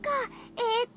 えっと。